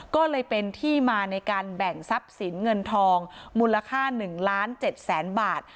ก็เลยเป็นที่มาในการแบ่งทรัพย์สินเงินทองมูลค่า๑ล้าน๗แสนบาท